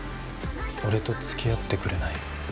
俺と付き合ってくれない？